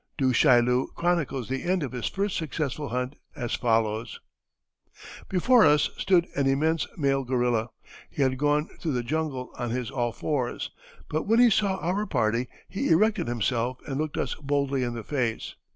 Du Chaillu chronicles the end of his first successful hunt as follows: "Before us stood an immense male gorilla. He had gone through the jungle on his all fours; but when he saw our party he erected himself and looked us boldly in the face.